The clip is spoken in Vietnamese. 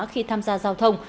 khi tham gia giao thông